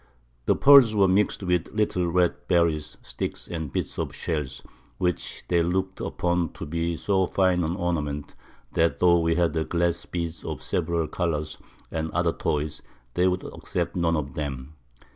The Pearls were mix'd with little red Berries, Sticks, and Bits of Shells, which they look'd upon to be so fine an Ornament, that tho' we had Glass Beads of several Colours, and other Toys, they would accept none of them.